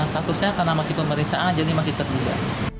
statusnya karena masih pemeriksaan jadi masih terduga